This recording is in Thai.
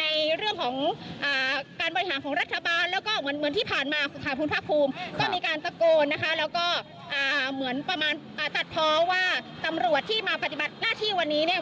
ในเรื่องของการบริหารของรัฐบาลแล้วก็เหมือนที่ผ่านมาค่ะคุณภาคภูมิก็มีการตะโกนนะคะแล้วก็เหมือนประมาณตัดเพราะว่าตำรวจที่มาปฏิบัติหน้าที่วันนี้เนี่ย